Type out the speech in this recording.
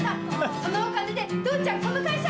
そのお金で父ちゃんこの会社